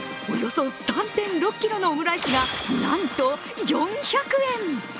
およそ３．６ｋｇのオムライスがなんと４００円。